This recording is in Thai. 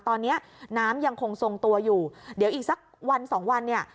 ตอนนี้น้ำยังคงทรงตัวอยู่เดี๋ยวอีกสักวันสองวันเนี่ย